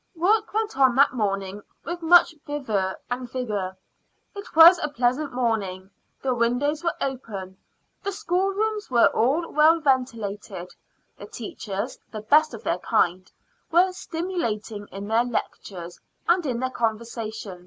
Work went on that morning with much verve and vigor. It was a pleasant morning: the windows were open; the schoolrooms were all well ventilated; the teachers, the best of their kind, were stimulating in their lectures and in their conversation.